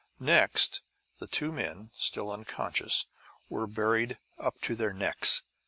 Next the two men, still unconscious, were buried up to their necks.